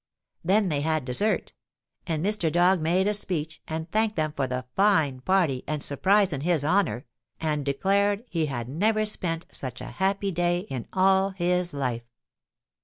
[Illustration: MR. DOG MADE A SPEECH.] Then they had dessert, and Mr. Dog made a speech and thanked them for the fine party and surprise in his honor, and declared he had never spent such a happy day in all his life.